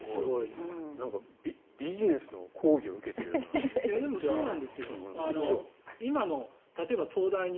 なんか、ビジネスの講義を受けているような。